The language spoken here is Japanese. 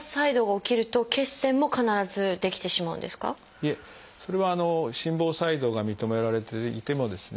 いえそれは心房細動が認められていてもですね